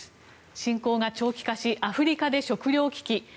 侵攻が長期化しアフリカで食糧危機。